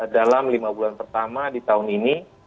dalam lima bulan pertama di tahun ini